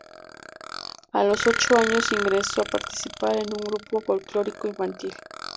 A los ocho años, ingresó a participar en un grupo folclórico infantil.